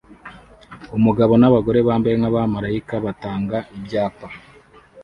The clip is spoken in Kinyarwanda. Umugabo nabagore bambaye nkabamarayika batanga ibyapa